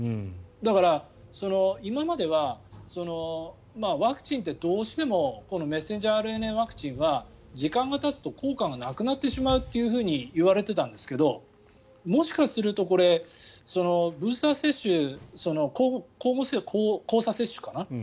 だから、今まではワクチンってどうしてもこのメッセンジャーＲＮＡワクチンは時間がたつと効果がなくなってしまうといわれていたんですけどもしかするとこれブースター接種交差接種かな？